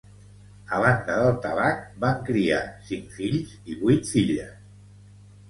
A banda del tabac, van criar cinc fills i vuit filles.